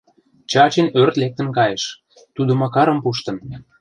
Чачин ӧрт лектын кайыш: тудо Макарым пуштын!..